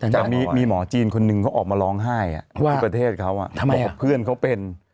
ตอนนี้มีหมอจีนคนหนึ่งก็ออกมาร้องไห้อ่ะที่ประเทศเขาท่านมีเพื่อนเขาเป็น